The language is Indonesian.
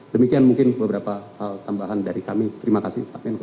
demikian mungkin beberapa hal tambahan dari kami terima kasih pak menko